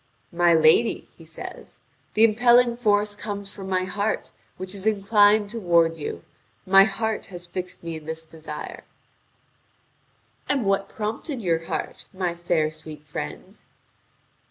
"My lady," he says, "the impelling force comes from my heart, which is inclined toward you. My heart has fixed me in this desire." "And what prompted your heart, my fair sweet friend?"